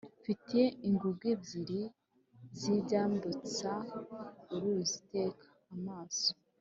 Mfite ingungu ebyiri zinyambutsa uruzi iteka.-Amaso.